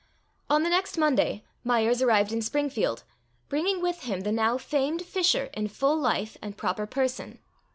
On the next Monday, Myers arrived in Springfield, bringing with him the now famed Fisher, in full life and proper person.